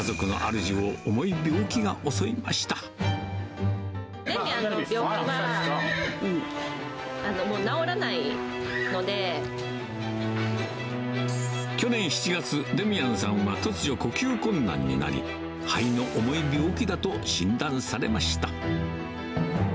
デミアンの病気は、去年７月、デミアンさんは突如、呼吸困難になり、肺の重い病気だと診断されました。